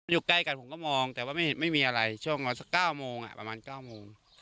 อยู่ใกล้กันผมก็มองแต่ว่าไม่มีอะไรช่วงเมื่อสักเก้าโมงประมาณเก้าโมง